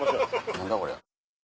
何だこりゃ。